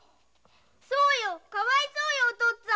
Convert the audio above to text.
そうよかわいそうよお父っつぁん。